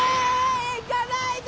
行かないで！